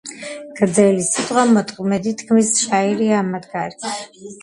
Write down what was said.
გრძელი სიტყვა მოკლედ ითქმის, შაირია ამად კარგი.